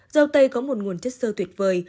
dầu tây có một nguồn chất sơ tuyệt vời